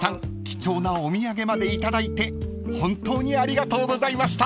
貴重なお土産まで頂いて本当にありがとうございました］